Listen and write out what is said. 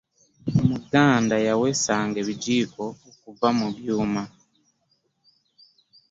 omuganda yawesanga ebijiiko okva mu byuuma